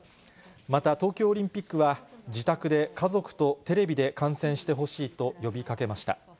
また、東京オリンピックは、自宅で家族とテレビで観戦してほしいと呼びかけました。